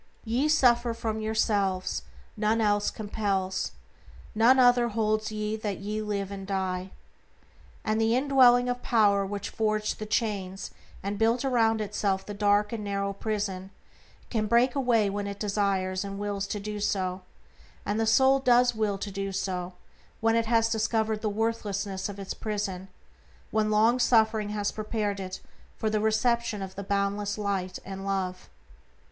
"Ye suffer from yourselves, none else compels, None other holds ye that ye live and die." And the indwelling power which forged the chains and built around itself the dark and narrow prison, can break away when it desires and wills to do so, and the soul does will to do so when it has discovered the worthlessness of its prison, when long suffering has prepared it for the reception of the boundless Light and Love.